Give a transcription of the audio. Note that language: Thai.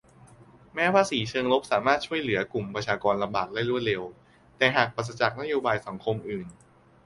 - แม้ภาษีเชิงลบสามารถช่วยเหลือกลุ่มประชากรลำบากได้รวดเร็ว แต่หากปราศจากนโยบายสังคมอื่น